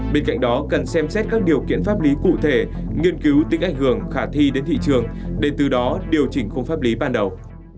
bên cạnh đó cần xem xét các điều kiện pháp lý cụ thể nghiên cứu tính ảnh hưởng khả thi đến thị trường để từ đó điều chỉnh khung pháp lý ban đầu